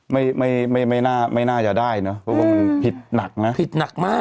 ไม่ไม่น่าจะได้เนอะพิษหนักนะพิษหนักมาก